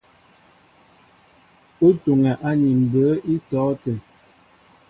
Ó tuŋɛ́ áni mbə̌ í tɔ̌ tə́ə́.